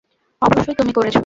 অবশ্যই, তুমি করেছো।